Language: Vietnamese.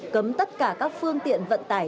cấm tất cả các phương tiện vận tải